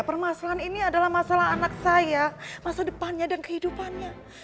permasalahan ini adalah masalah anak saya masa depannya dan kehidupannya